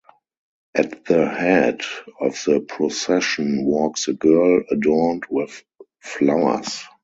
At the head of the procession walks a girl adorned with flowers.